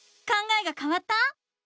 考えがかわった？